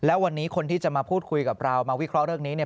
แล้ววันนี้คนที่จะมาพูดคุยกับเรามาวิเคราะห์เรื่องนี้เนี่ย